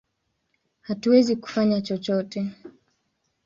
Hatuwezi kufanya chochote!